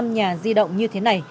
năm nhà di động như thế này